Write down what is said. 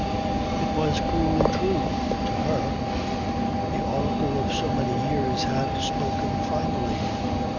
It was cruelly true to her. The oracle of so many years had spoken finally.